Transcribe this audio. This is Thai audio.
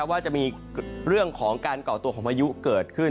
ว่าจะมีเรื่องของการก่อตัวของพายุเกิดขึ้น